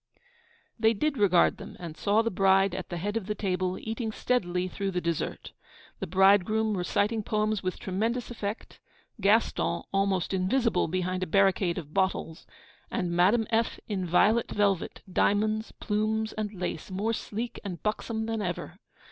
They did regard them, and saw the bride at the head of the table, eating steadily through the dessert; the bridegroom reciting poems with tremendous effect; Gaston almost invisible behind a barricade of bottles; and Madame F., in violet velvet, diamonds, plumes, and lace, more sleek and buxom than ever.